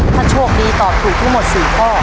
ถ้าโชคดีตอบถูกทั้งหมด๔ข้อ